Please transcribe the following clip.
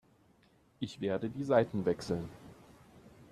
Ich werde die Seiten wechseln.